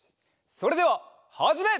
それでははじめ！